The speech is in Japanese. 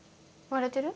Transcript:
割れてる！